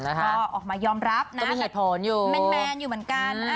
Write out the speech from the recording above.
เออออกมายอมรับนะแมนอยู่เหมือนกัน